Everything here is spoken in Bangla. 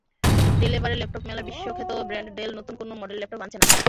ডেলএবারের ল্যাপটপ মেলায় বিশ্বখ্যাত ব্র্যান্ড ডেল নতুন কোনো মডেলের ল্যাপটপ আনছে না।